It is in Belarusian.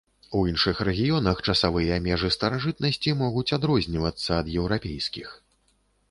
У іншых рэгіёнах часавыя межы старажытнасці могуць адрознівацца ад еўрапейскіх.